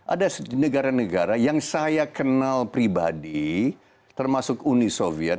ada negara negara yang saya kenal pribadi termasuk uni soviet